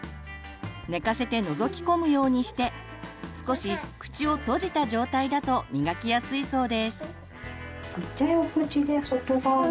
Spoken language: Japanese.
寝かせてのぞき込むようにして少し口を閉じた状態だと磨きやすいそうです。